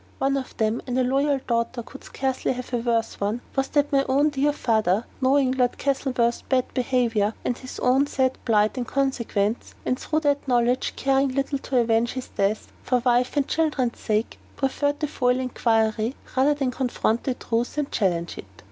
One of them and a loyal daughter could scarcely have a worse one was that my own dear father, knowing Lord Castlewood's bad behavior, and his own sad plight in consequence, and through that knowledge caring little to avenge his death, for wife and children's sake preferred to foil inquiry rather than confront the truth and challenge it.